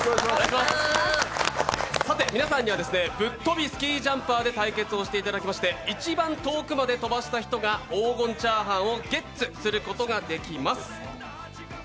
皆さんには「ぶっ飛びスキージャンパー」で対決をしていただきまして一番遠くまで飛ばした人が黄金チャーハンがゲッツすることができます。